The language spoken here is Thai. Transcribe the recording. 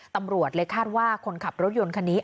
ตำรวจเลยคาดว่าคนขับรถยนต์คันนี้